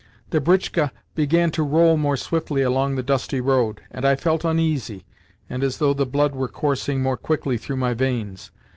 The britchka began to roll more swiftly along the dusty road, and I felt uneasy, and as though the blood were coursing more quickly through my veins.